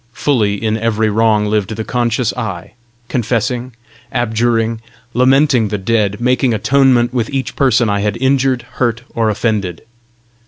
Fully in every wrong lived the conscious I, confessing, abjuring, lamenting the dead, making atonement with each person I had injured, hurt, or offended.